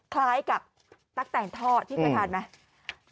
คล้ายกับตั๊กแตนทอดที่เคยทานไหม